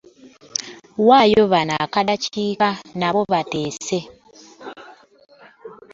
Waayo banno akaddakiika nabo bateese.